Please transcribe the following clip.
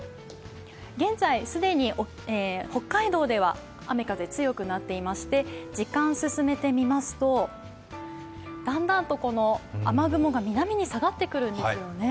現在、すでに北海道では雨風強くなっていまして時間を進めてみますと、だんだんと雨雲が南に下がってくるんですよね。